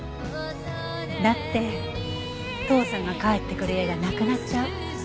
だって父さんが帰ってくる家がなくなっちゃう。